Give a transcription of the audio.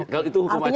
kalau itu hukum acara